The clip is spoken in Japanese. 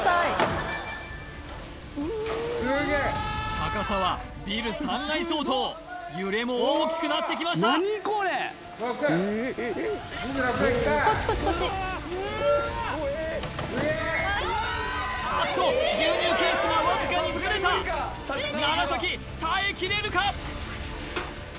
高さはビル３階相当揺れも大きくなってきました・６２６がきたこっちこっちこっちあっと牛乳ケースがわずかにずれた楢耐えきれるか？